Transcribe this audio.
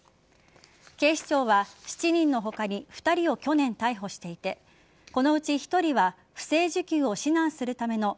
警視庁は７人の他に２人を去年、逮捕していてこのうち１人は不正受給を指南するための